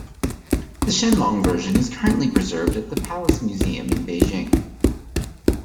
The "Shenlong" version is currently preserved at the Palace Museum in Beijing.